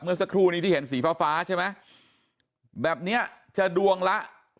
เมื่อสักครู่นี้ที่เห็นสีฟ้าฟ้าใช่ไหมแบบนี้จะดวงละ